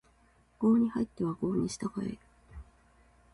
郷に入っては郷に従え